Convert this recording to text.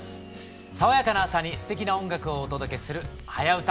爽やかな朝にすてきな音楽をお届けする「はやウタ」。